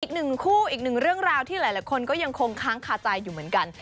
อีกหนึ่งคู่อีกหนึ่งเรื่องราวที่หลายคนก็ยังคงค้างคาใจอยู่เหมือนกัน